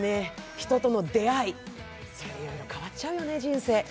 人との出会い、いろいろ変わっちゃうよね、人生。